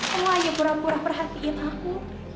kamu aja pura pura perhatian aku